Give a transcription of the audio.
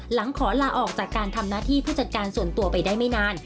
หลังขอลาออกจากการทำหน้าที่ผู้จัดการส่วนตัวไปได้ไม่นาน